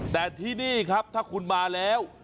แต่ที่นี่ครับถ้าคุณมาแล้ว